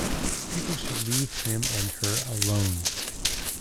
People should leave him and her alone.